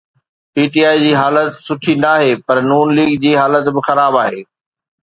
P T I جي حالت سٺي ناهي پر نون ليگ جي حالت به خراب آهي.